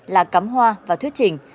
là cắm hoa và thuyết trình